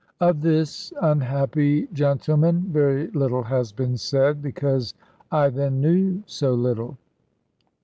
Of this unhappy gentleman very little has been said, because I then knew so little.